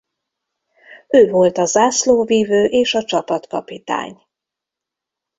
Ő volt a zászlóvivő és a csapatkapitány.